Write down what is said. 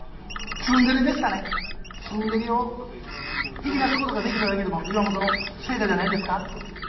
ツンデレを引き出すことができただけでも、岩本の成果じゃないですか。